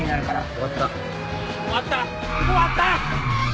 終わった！